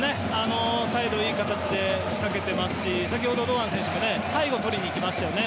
サイドいい形で仕掛けていますし先ほど堂安選手も背後を取りに行きましたよね。